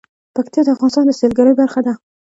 پکتیا د افغانستان د سیلګرۍ برخه ده.